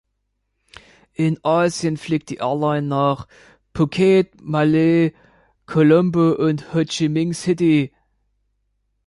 In Asien fliegt die Airline nach Phuket, Male, Colombo und Ho Chi Minh City.